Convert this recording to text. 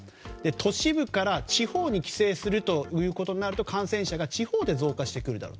都市部から地方に帰省するということになると感染者が地方で増加してくるだろう。